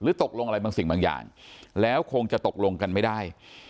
ตกลงอะไรบางสิ่งบางอย่างแล้วคงจะตกลงกันไม่ได้